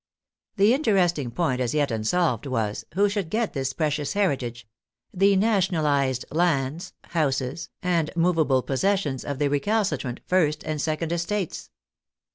The interesting point as yet unsolved was, who should get this precious heritage, the " nationalized " lands, houses, and moveable possessions of the recalcitrant first and second estates?